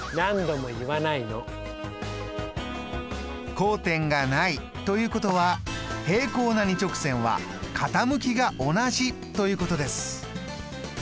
交点がないということは平行な２直線は傾きが同じということです。